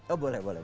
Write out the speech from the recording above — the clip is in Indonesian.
oh boleh boleh